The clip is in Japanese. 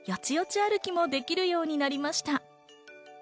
歩きもできるようになりました。